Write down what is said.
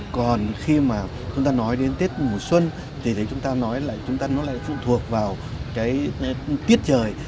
còn khi mà chúng ta nói đến tết mùa xuân thì thấy chúng ta nói là chúng ta nó lại phụ thuộc vào cái tiết trời